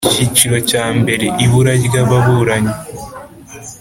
Icyiciro cya mbere Ibura ry ababuranyi